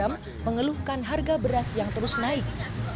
mengeluhkan harga beras yang terus naik